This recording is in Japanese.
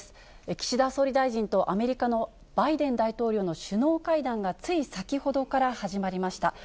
岸田総理大臣とアメリカのバイデン大統領の首脳会談がつい先ほどから始まりました。